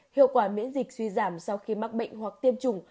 hiệu quả miễn dịch suy giảm sau khi mắc bệnh hoặc tiêm chủng